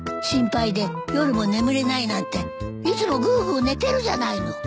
「心配で夜も眠れない」なんていつもグーグー寝てるじゃないの。